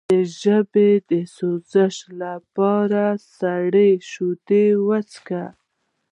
د ژبې د سوزش لپاره سړې شیدې وڅښئ